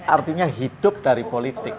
artinya hidup dari politik